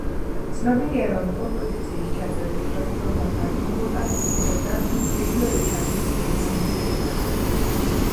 ცნობილია, რომ კომპოზიციის ჩაწერის დროს პოლ მაკ-კარტნი ვოკალით ცდილობდა ლიტლ რიჩარდის სტილის იმიტირებას.